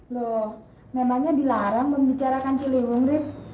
loh memangnya dilarang membicarakan ciliwung rib